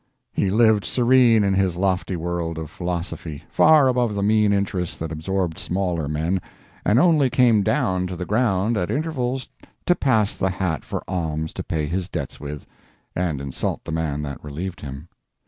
He lived serene in his lofty world of philosophy, far above the mean interests that absorbed smaller men, and only came down to the ground at intervals to pass the hat for alms to pay his debts with, and insult the man that relieved him.